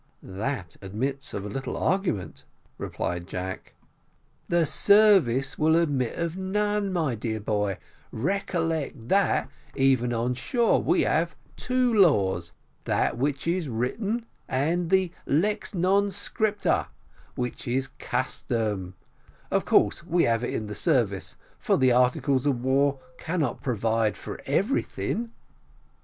"That admits of a little argument," replied Jack. "The service will admit of none, my dear boy: recollect that, even on shore, we have two laws, that which is written, and the lex non scripta, which is custom; of course we have it in the service, for the articles of war cannot provide for everything."